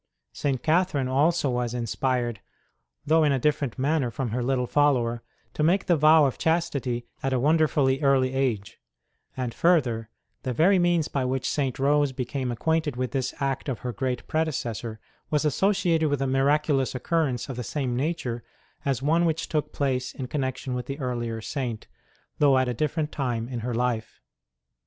St. Catherine also was inspired, though in a different manner from her little follower, to make the vow of chastity at a wonderfully early age : and, further, the very means by which St. Rose became acquainted with this act of her great predecessor was associated with a miraculous occurrence of the same nature as one which took place in con nection with the earlier Saint, though at a different time in her life.